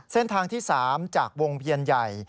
เส้นทางที่๓จากวงเวียนใหญ่